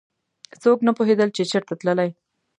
څوک نه پوهېدل چې چېرته تللی.